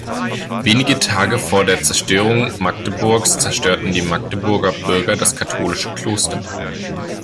Wenige Tage vor der Zerstörung Magdeburgs zerstörten die Magdeburger Bürger das katholische Kloster.